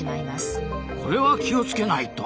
これは気を付けないと！